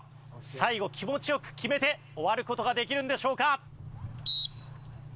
最後気持ち良く決めて終わる事ができるんでしょうか？